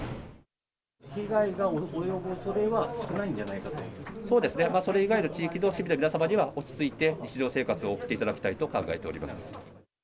被害が及ぶおそれは少ないんそうですね、それ以外の地域の皆様には、落ち着いて日常生活を送っていただきたいと考えております。